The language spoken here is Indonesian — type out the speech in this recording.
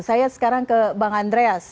saya sekarang ke bang andreas